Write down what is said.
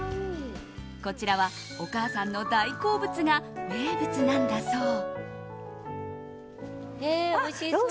こちらはお母さんの大好物が名物なんだそう。